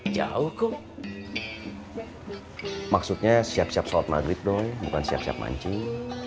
jauh kok maksudnya siap siap sholat maghrib dong bukan siap siap mancing